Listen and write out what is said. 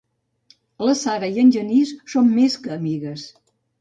La Sara i en Genís són més que amigues.